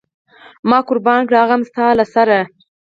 ما قربان کړ هغه هم د ستا له سره.